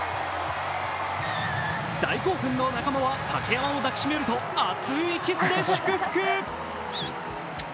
大興奮の仲間は竹山を抱きしめると熱いキスで祝福。